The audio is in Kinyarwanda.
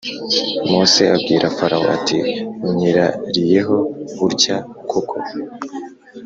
Mose abwira Farawo ati Unyirarireho utya koko‽